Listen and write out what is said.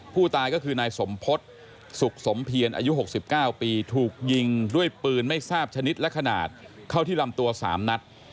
ผู้ตายก็คือนายสมพฤษสุขสมเพียรอายุ๖๙ปีถูกยิงด้วยปืนไม่ทราบชนิดและขนาดเข้าที่ลำตัว๓นัด